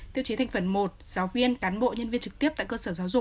tiêu chí thành phần một giáo viên cán bộ nhân viên trực tiếp tại cơ sở giáo dục